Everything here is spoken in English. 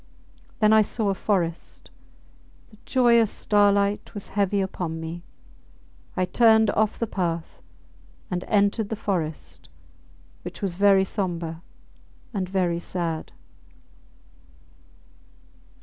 Then I saw a forest. The joyous starlight was heavy upon me. I turned off the path and entered the forest, which was very sombre and very sad.